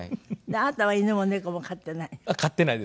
あなたは犬も猫も飼ってない？